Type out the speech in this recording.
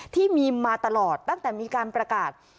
ที่มีมาตลอดตั้งแต่มีการประกาศ